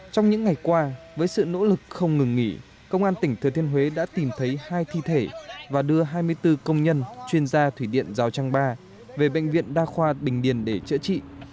trong những ngày qua với sự nỗ lực không ngừng nghỉ công an tỉnh thừa thiên huế đã tìm thấy hai thi thể và đưa hai mươi bốn công nhân chuyên gia thủy điện rào trang ba về bệnh viện đa khoa bình điền để chữa trị